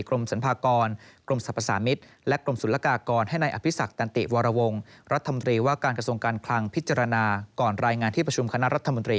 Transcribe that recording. กรมสรรพากรกรมสรรพสามิตรและกรมศุลกากรให้นายอภิษักตันติวรวงรัฐมนตรีว่าการกระทรวงการคลังพิจารณาก่อนรายงานที่ประชุมคณะรัฐมนตรี